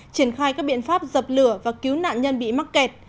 triển khai các biện pháp dập lửa và cứu nạn nhân bị mắc kẹt